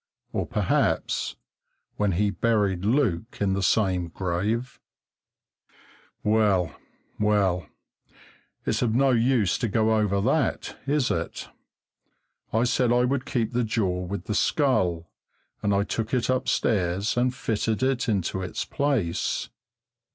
Or perhaps when he buried Luke in the same grave Well, well, it's of no use to go over that, is it? I said I would keep the jaw with the skull, and I took it upstairs and fitted it into its place.